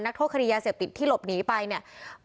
โทษคดียาเสพติดที่หลบหนีไปเนี่ย